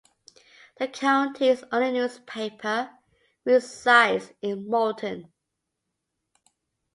The county's only newspaper resides in Moulton.